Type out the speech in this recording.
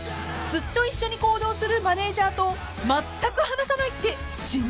［ずっと一緒に行動するマネージャーとまったく話さないって新人類過ぎません？］